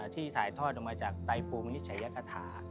ที่ถ่ายทอดลงมาจากไตภูมิชยกรรถา